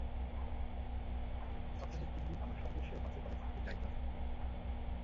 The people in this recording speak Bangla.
সপ্তাহে তিন দিন আমার সঙ্গে সেও বাসে করে সিটিতে যায় ক্লাস করতে।